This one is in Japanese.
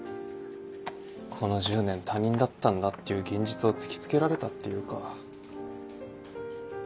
この１０年他人だったんだっていう現実を突き付けられたっていうか。